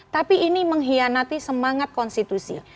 tapi ini mengkhianati semangat konstitusi